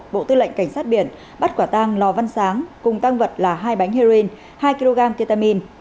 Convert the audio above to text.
bộ tư lệnh cảnh sát biển bắt quả tang lò văn sáng cùng tăng vật là hai bánh heroin hai kg ketamin